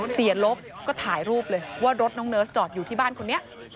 ลบก็ถ่ายรูปเลยว่ารถน้องเนิร์สจอดอยู่ที่บ้านคนนี้